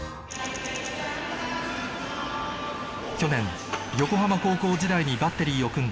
去年横浜高校時代にバッテリーを組んだ